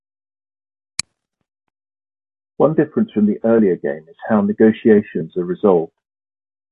One difference from the earlier game is how negotiations are resolved.